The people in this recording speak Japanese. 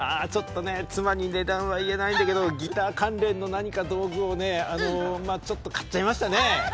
妻に値段は言えないんだけれども、ギター関連の道具をちょっと買っちゃいましたね。